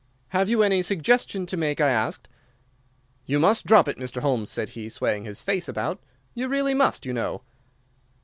"'Have you any suggestion to make?' I asked. "'You must drop it, Mr. Holmes,' said he, swaying his face about. 'You really must, you know.